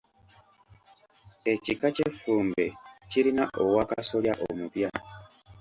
Ekika ky’effumbe kirina Owaakasolya omupya.